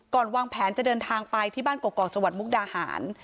วางแผนจะเดินทางไปที่บ้านกอกจังหวัดมุกดาหาร